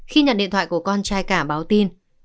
khi nhận điện thoại của con trai cả báo tin